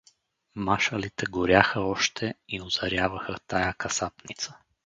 Машалите горяха още и озаряваха тая касапница.